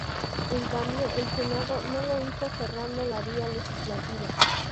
En cambio, el Senado no lo hizo cerrando la vía legislativa.